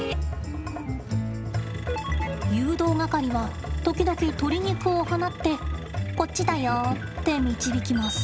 誘導係は時々、鶏肉を放ってこっちだよって導きます。